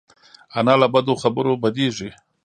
انا له بدو خبرو بدېږي